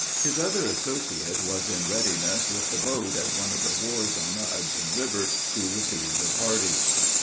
His other associate was in readiness with the boat at one of the wharves on the Hudson river, to receive the party.